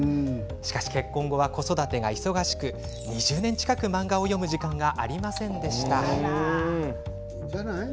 しかし、結婚後は子育てが忙しく２０年近く漫画を読む時間がありませんでした。